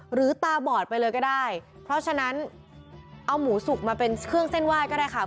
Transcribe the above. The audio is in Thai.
หรือตาบอดไปเลยก็ได้เพราะฉะนั้นเอาหมูสุกมาเป็นเครื่องเส้นไหว้ก็ได้ค่ะ